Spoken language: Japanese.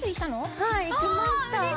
はい、行きました。